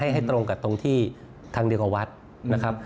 ให้ตรงกับตรงที่ทางเดียวกับวัดนะครับ